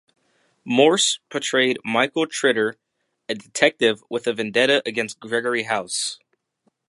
Morse portrayed Michael Tritter, a detective with a vendetta against Gregory House.